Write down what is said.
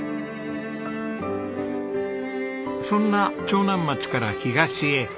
そんな長南町から東へ。